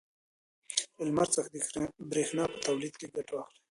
له لمر څخه د برېښنا په تولید کې ګټه واخلئ.